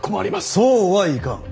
そうはいかん。